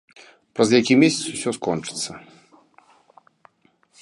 Праз які месяц усё скончыцца.